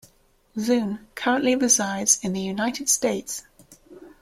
Zun currently resides in the United States.